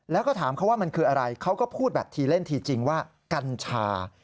แล้วก็ถามเขาว่ามันคืออะไรเขาก็พูดแบบทีเล่นทีจริงว่ากัญชา